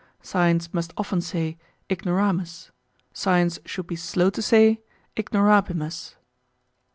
Science must often say "Ignoramus": Science should be slow to say "Ignorabimus."